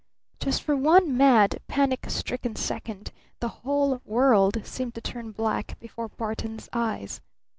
Just for one mad, panic stricken second the whole world seemed to turn black before Barton's eyes.